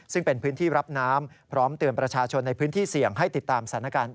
ซึ่งเป็นพื้นที่รับน้ำพร้อมเตือนประชาชนในพื้นที่เสี่ยงให้ติดตามสถานการณ์